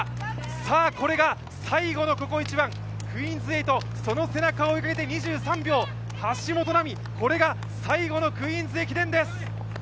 さあ、これが最後のここ一番、クイーンズ８、その背中を追いかけて２３秒、橋本奈海、これが最後のクイーンズ駅伝です。